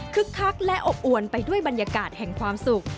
คักและอบอวนไปด้วยบรรยากาศแห่งความสุข